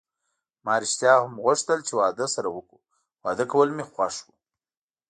ما ریښتیا هم غوښتل چې واده سره وکړو، واده کول مې خوښ و.